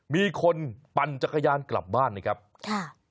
มีคนปั่นจักรยานกลับบ้านนะครับค่ะ